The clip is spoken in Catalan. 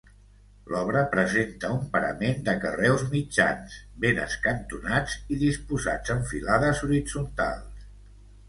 L'obra presenta un parament de carreus mitjans, ben escantonats i disposats en filades horitzontals.